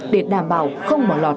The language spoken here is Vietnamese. để đảm bảo không bỏ lọt